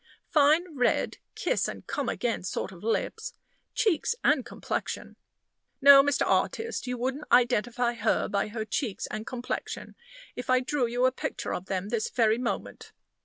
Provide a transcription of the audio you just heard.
Fine red, kiss and come again sort of lips. Cheeks and complexion No, Mr. Artist, you wouldn't identify her by her cheeks and complexion, if I drew you a picture of them this very moment.